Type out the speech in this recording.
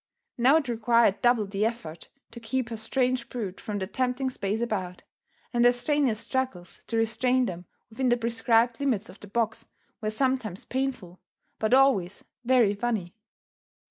Now it required double the effort to keep her strange brood from the tempting space about, and her strenuous struggles to restrain them within the prescribed limits of the box were sometimes painful, but always very funny.